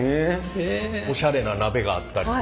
おしゃれな鍋があったりとか。